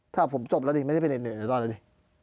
ถ้าผมจบแล้วดิไม่ได้เป็นเน็ตไอดอลแล้วดิ